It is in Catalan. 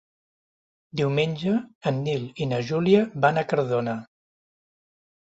Diumenge en Nil i na Júlia van a Cardona.